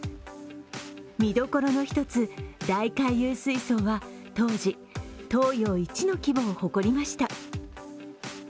見どころの１つ、大回遊水槽は当時、東洋一の規模を誇りました。